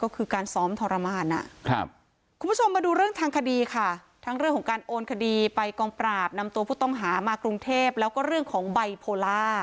ก็คือการซ้อมทรมานคุณผู้ชมมาดูเรื่องทางคดีค่ะทั้งเรื่องของการโอนคดีไปกองปราบนำตัวผู้ต้องหามากรุงเทพแล้วก็เรื่องของไบโพล่า